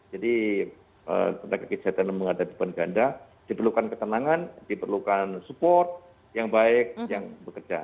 jadi tenaga kesehatan yang menghadapi beban ganda diperlukan ketenangan diperlukan support yang baik yang bekerja